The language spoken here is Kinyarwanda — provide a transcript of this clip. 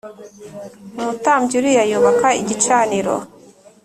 Umutambyi Uriya yubaka igicaniro